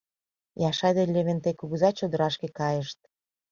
Яшай ден Левентей кугыза чодырашке кайышт.